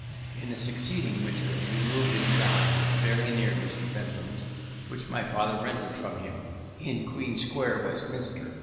In the succeeding winter we moved into a house very near Mr. Bentham's, which my father rented from him, in Queen Square, Westminster.